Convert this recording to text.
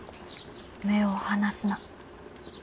目を離すな。